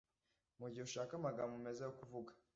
mugihe ushaka amagambo meza yo kuvuga